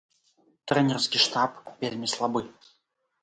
Трэнерскі штаб вельмі слабы.